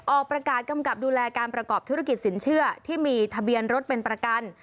ออกประกาศกำกับดูแลการประกอบธุรกิจสินเชื่อที่มีทะเบียนรถเป็นประกัน